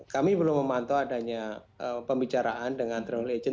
kami belum memantau adanya pembicaraan dengan travel agent